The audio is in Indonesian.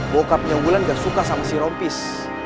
bokapnya wulan gak suka sama si rompis